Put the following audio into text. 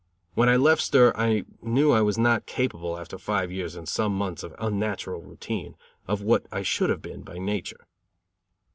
When I left stir I knew I was not capable, after five years and some months of unnatural routine, of what I should have been by nature.